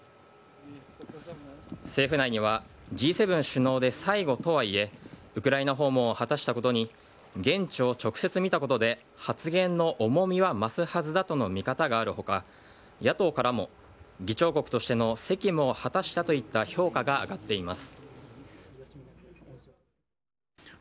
政府内にはＧ７首脳で最後とはいえウクライナ訪問を果たしたことに現地を直接見たことで発言の重みは増すはずだとの見方がある他野党からも議長国としての責務を果たしたといった評価が上がっています。